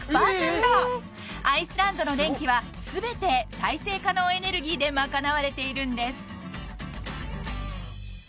［アイスランドの電気は全て再生可能エネルギーで賄われているんです］